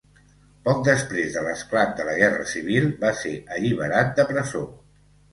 Poc després de l'esclat de la Guerra civil va ser alliberat de presó.